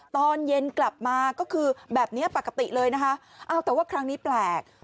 ตอนเย็นกลับมาก็คือแบบนี้ปกติเลยนะคะอ้าวแต่ว่าครั้งนี้แปลก